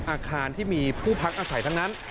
อาคารที่มีผู้พักอาศัยทั้งนั้น